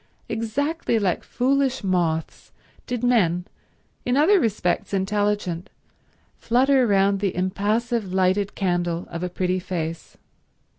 Exactly like foolish moths did men, in other respects intelligent, flutter round the impassive lighted candle of a pretty face.